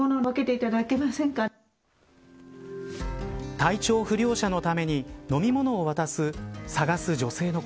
体調不良者のために飲み物を探す女性の声。